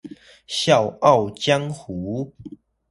笑傲江湖